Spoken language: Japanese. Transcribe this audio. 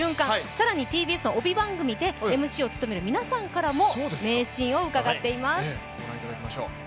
更にＴＢＳの帯番組でＭＣを務める皆さんからも名シーンを伺っています。